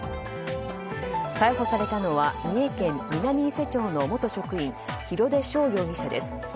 逮捕されたのは三重県南伊勢町の元職員・広出翔容疑者です。